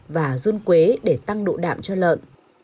và run quế để tăng độ đạm cho lợn